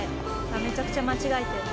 あっめちゃくちゃ間違えてる。